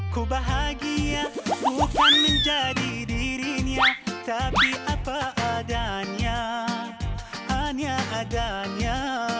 ku bahagia bukan menjadi dirinya tapi apa adanya hanya adanya